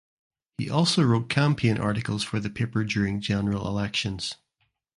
He also wrote campaign articles for the paper during general elections.